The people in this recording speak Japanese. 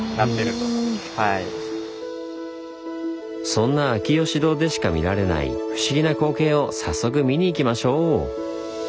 そんな秋芳洞でしか見られない不思議な光景を早速見にいきましょう！